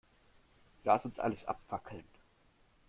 Lass uns alles abfackeln.